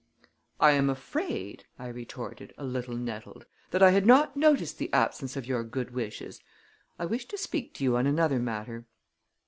"I am afraid," I retorted, a little nettled, "that I had not noticed the absence of your good wishes. I wish to speak to you on another matter."